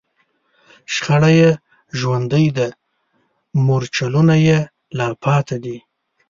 شخړه یې ژوندۍ ده، مورچلونه یې لا پاتې دي